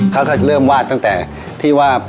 เขาก็เริ่มวาดตั้งแต่ที่ว่า